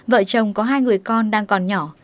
vợ chồng có hai người con đang còn nhỏ